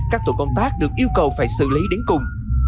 các tổ công tác được yêu cầu phải xử lý đến cùng